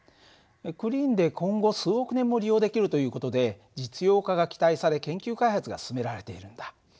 クリーンで今後数億年も利用できるという事で実用化が期待され研究開発が進められているんだ。